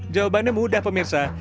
jawabannya mudah pemirsa